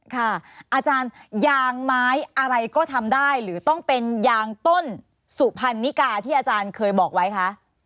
อาจารย์ยางไม้อะไรก็ทำได้หรือต้องเป็นยางต้นสุพรรณนิกาที่อาจารย์เคยบอกไว้คะ